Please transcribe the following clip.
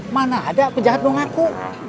mana ada penjahat dong aku